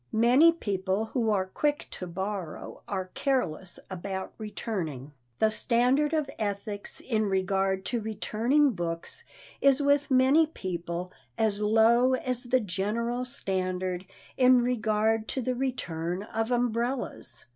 Many people who are quick to borrow are careless about returning. The standard of ethics in regard to returning books is with many people as low as the general standard in regard to the return of umbrellas.